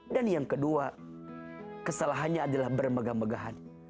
dan yang kedua kesalahannya adalah bermegah megahan